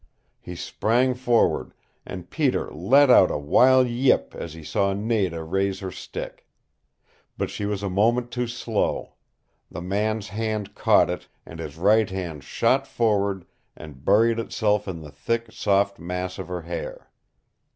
He sprang forward, and Peter let out a wild yip as he saw Nada raise her stick. But she was a moment too slow. The man's hand caught it, and his right hand shot forward and buried itself in the thick, soft mass of her hair.